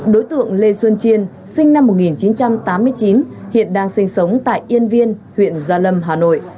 đối tượng lê xuân chiên sinh năm một nghìn chín trăm tám mươi chín hiện đang sinh sống tại yên viên huyện gia lâm hà nội